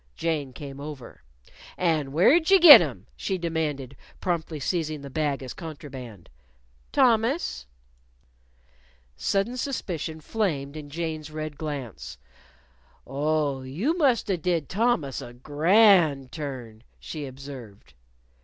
Jane came over. "And where'd you git 'em?" she demanded, promptly seizing the bag as contraband. "Thomas." Sudden suspicion flamed in Jane's red glance. "Oh, you must've did Thomas a grand turn," she observed.